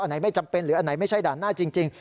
อันไหนไม่จำเป็นหรืออันไหนไม่ใช่ด่านหน้าจริง